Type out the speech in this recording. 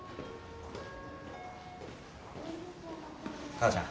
母ちゃん。